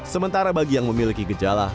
sementara bagi yang memiliki gejala